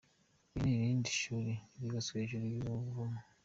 Iri ni irindi shuli ryubatse hejuru y'ubuvumo.